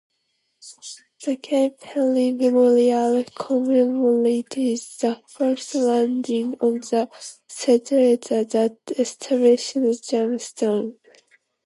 The Cape Henry Memorial commemorates The First Landing of the settlers that established Jamestown.